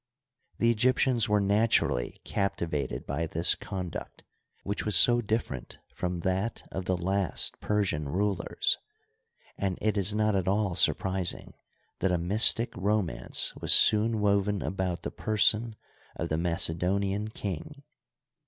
The Egyptians were naturally captivated by this conduct, which was so differ ent from that of the last Persian rulers, and it is not at all surprising that a mystic romance was soon woven about the person of the Macedonian king.